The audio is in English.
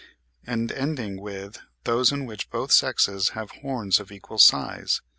—and ending with those in which both sexes have horns of equal size.